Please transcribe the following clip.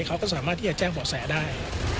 เขาก็สามารถที่จะแจ้งเบาะแสได้